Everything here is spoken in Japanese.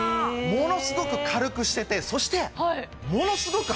ものすごく軽くしててそしてものすごく。